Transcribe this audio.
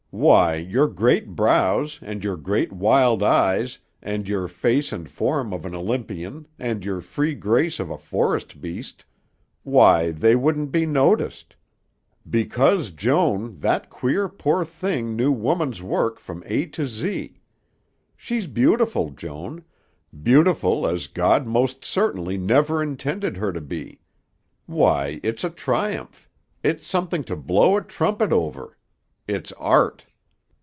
Why, your great brows and your great, wild eyes and your face and form of an Olympian and your free grace of a forest beast why, they wouldn't be noticed. Because, Joan, that queer, poor thing knew woman's work from A to Z. She's beautiful, Joan, beautiful as God most certainly never intended her to be. Why, it's a triumph it's something to blow a trumpet over. It's art!"